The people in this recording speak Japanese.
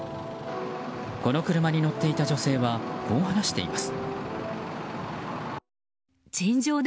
この車に乗っていた女性はこう話しています。